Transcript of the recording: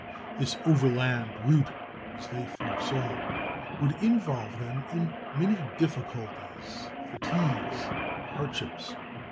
This overland route, as they foresaw, would involve them in many difficulties, fatigues, and hardships.